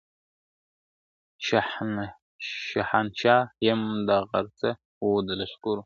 شهنشاه یم د غرڅه وو د لښکرو `